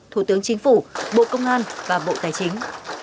thủ tướng chính phủ bộ công an và bộ tài chính